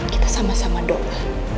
kita sama sama doa